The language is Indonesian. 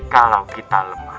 kalau kita lemah